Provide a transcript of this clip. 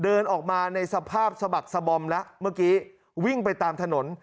เดินออกมาในสภาพสะบักสะบอมแล้วเมื่อกี้วิ่งไปตามถนน